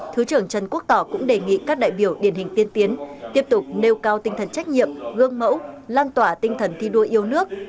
thứ trưởng trần quốc tỏ cũng đề nghị các đại biểu điển hình tiên tiến tiếp tục nêu cao tinh thần trách nhiệm gương mẫu lan tỏa tinh thần thi đua yêu nước